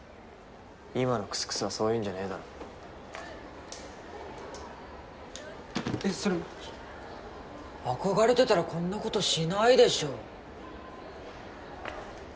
今のクスクスはそういうんじゃねえだろえっそれ憧れてたらこんなことしないでしょ